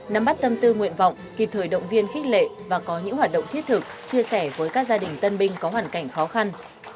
nắm bắt tâm tư nguyện vọng kịp thời động viên khích lệ và có những hoạt động thiết thực chia sẻ với các gia đình tân binh có hoàn cảnh khó khăn